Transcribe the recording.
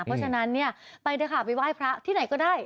เพราะฉะนั้นเนี่ยไปเถอะค่ะไปไหว้พระที่ไหนก็ได้